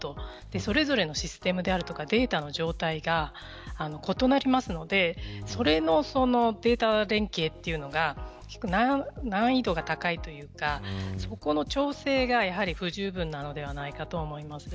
それぞれのデータの状態が異なりますのでそれのデータ連携というのは難易度が高いというかそこの調整が不十分なのではないかと思います。